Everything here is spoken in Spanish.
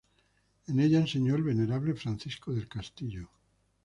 En ella enseñó el Venerable Francisco del Castillo.